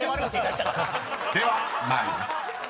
［では参ります］